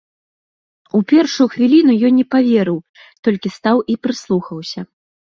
У першую хвіліну ён не паверыў, толькі стаў і прыслухаўся.